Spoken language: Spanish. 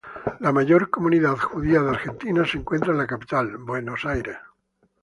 La mayor comunidad judía de Argentina se encuentra en la capital, Buenos Aires.